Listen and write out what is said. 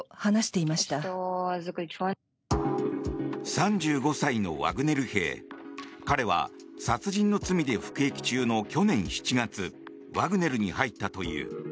３５歳のワグネル兵彼は殺人の罪で服役中の去年７月ワグネルに入ったという。